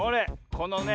このね